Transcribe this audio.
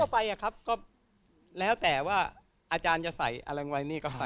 ไปอะครับก็แล้วแต่ว่าอาจารย์จะใส่อะไรไว้นี่ก็ใส่